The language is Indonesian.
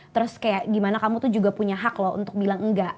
terus kayak gimana kamu tuh juga punya hak loh untuk bilang enggak